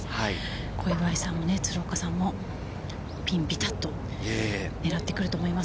小祝さんも鶴岡さんもピンにピタッと狙ってくると思います。